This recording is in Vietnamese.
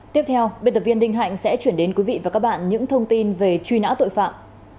tiếp theo biên tập viên đinh hạnh sẽ chuyển đến quý vị và các bạn những thông tin về truy nã tội phạm